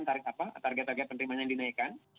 target target penerimaan yang dinaikkan